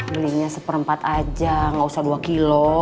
belinya seperempat aja nggak usah dua kilo